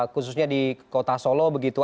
khususnya di kota solo begitu